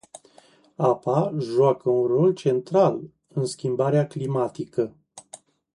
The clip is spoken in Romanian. Apa joacă un rol central în schimbarea climatică.